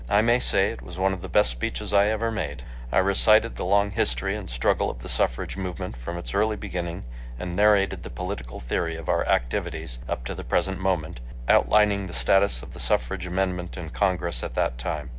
I may say it was one of the best speeches I ever made. I recited the long history and struggle of the suffrage movement from its early beginning and narrated the political theory' of our activities up to the present moment, outlining the status of the suffrage amendment in Congress at that time.